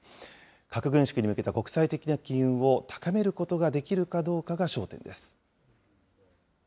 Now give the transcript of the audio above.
核軍縮に向けた国際的な機運を高めることができるかどうかが焦点です。